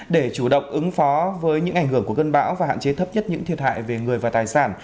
để chủ động ứng phó với những ảnh hưởng của cơn bão và hạn chế thấp nhất những thiệt hại về người và tài sản